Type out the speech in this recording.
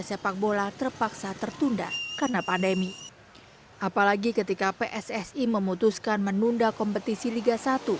sepak bola terpaksa tertunda karena pandemi apalagi ketika pssi memutuskan menunda kompetisi liga satu